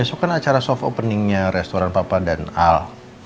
besok kan acara soft openingnya restoran papa dan al